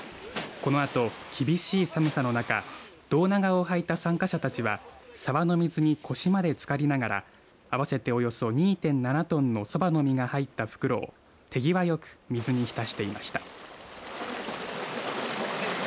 このあと厳しい寒さの中胴長をはいた参加者たちは沢の水に腰までつかりながら合わせておよそ２．７トンのそばの実が入った袋を手際よく水に浸していました。